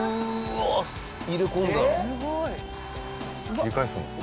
切り返すの？